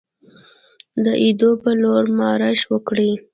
د ایدو په لور مارش وکړي.